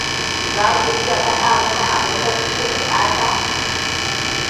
Za ku iya faɗa miniabinda ku ke bukata?